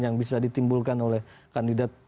yang bisa ditimbulkan oleh kandidat